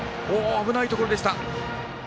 危ないところでした。